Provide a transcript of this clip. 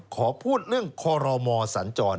ขอพูดเรื่องคสันจร